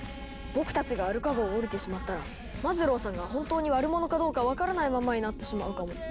僕たちがアルカ号をおりてしまったらマズローさんが本当に悪者かどうか分からないままになってしまうかも。